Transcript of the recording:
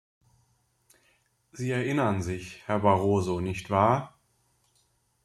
Sie erinnern sich, Herr Barroso, nicht wahr?